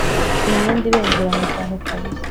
imyenda ibengerana cyane kabisa